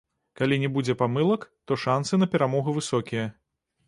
Калі не будзе памылак, то шанцы на перамогу высокія.